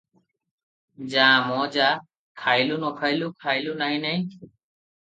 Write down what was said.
ଯା ମ ଯା, ଖାଇଲୁ, ନ ଖାଇଲୁ, ଖାଇଲୁ ନାହିଁ ନାହିଁ ।"